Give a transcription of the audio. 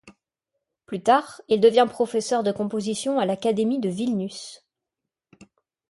Plus tard, il devient professeur de composition à l'Académie de Vilnius.